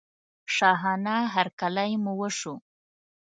شاهانه هرکلی مو وشو.